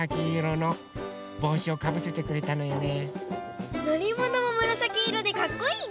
のりものもむらさきいろでかっこいいね。